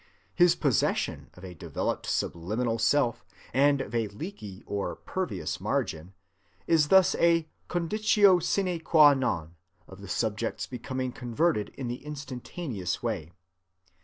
His possession of a developed subliminal self, and of a leaky or pervious margin, is thus a conditio sine qua non of the Subject's becoming converted in the instantaneous way.